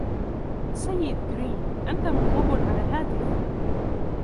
سيد غرين ، أنت مطلوب على الهاتف.